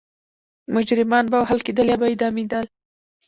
مجرمان به وهل کېدل یا به اعدامېدل.